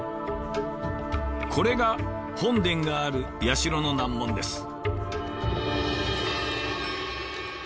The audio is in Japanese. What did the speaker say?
これが本殿がある社の南門です。